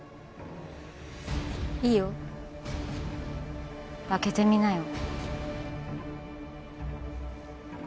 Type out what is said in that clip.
いいよ開けてみなよ